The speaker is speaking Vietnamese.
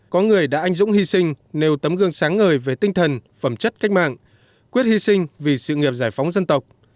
có người đã anh dũng hy sinh nêu tấm gương sáng ngời về tinh thần phẩm chất cách mạng quyết hy sinh vì sự nghiệp giải phóng dân tộc